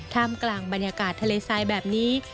ถ้ามกลางบรรยากาศทะเลไซด์แบบนี้